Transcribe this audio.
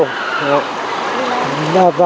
ở đây là ba